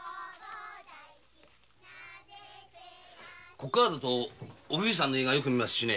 ここからだとお冬さんの家がよく見えますしね。